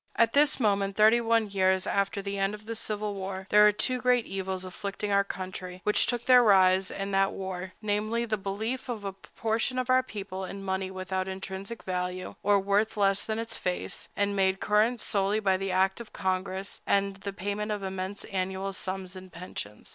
At this moment, thirty one years after the end of our civil war, there are two great evils afflicting our country which took their rise in that war, namely, (1) the belief of a large proportion of our people in money without intrinsic value, or worth less than its face, and made current solely by act of Congress, and (2) the payment of immense annual sums in pensions.